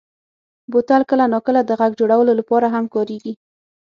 بوتل کله ناکله د غږ جوړولو لپاره هم کارېږي.